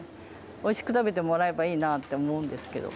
おいしく食べてもらえばいいなって思うんですけど。